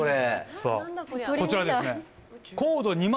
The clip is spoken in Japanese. さあこちらですね。